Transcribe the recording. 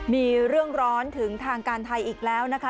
มีเรื่องร้อนถึงทางการไทยอีกแล้วนะคะ